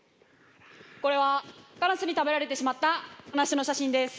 これはカラスに食べられてしまった梨の写真です。